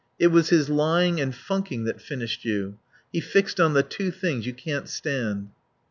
It was his lying and funking that finished you. He fixed on the two things you can't stand."